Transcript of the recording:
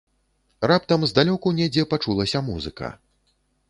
Раптам здалёку недзе пачулася музыка.